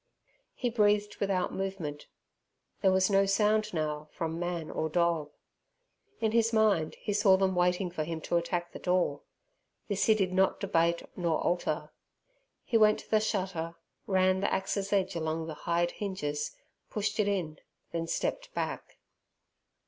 He breathed without movement. There was no sound now from man or dog. In his mind he saw them waiting for him to attack the door; this he did not debate nor alter. He went to the shutter, ran the axe's edge along the hide hinges, pushed it in, then stepped back.